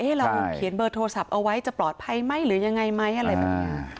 เราเขียนเบอร์โทรศัพท์เอาไว้จะปลอดภัยไหมหรือยังไงไหมอะไรแบบนี้